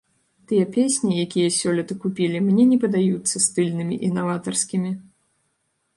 Тыя песні, якія сёлета купілі, мне не падаюцца стыльнымі і наватарскімі.